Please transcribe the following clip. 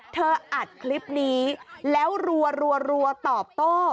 อัดคลิปนี้แล้วรัวตอบโต้